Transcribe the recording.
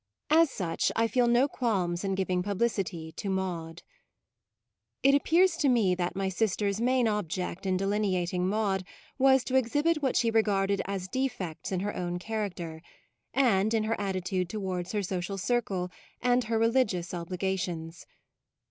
As such, I feel no qualms in giving publicity to Maude. It appears to me that my sister's main object in delineating Maude was to exhibit what she regarded as defects in her own character, and in her attitude towards her social circle and her religious obligations.